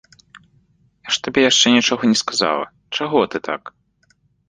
Я ж табе яшчэ нічога не сказала, чаго ты так!